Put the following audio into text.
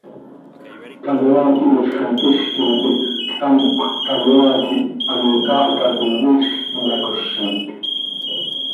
Canoaa quih miizj hant quixquim quih ctamcö canoaa quih ano caahca coi miizj iyacozit.